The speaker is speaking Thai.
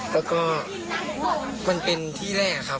แล้วก็มันเป็นที่แรกครับ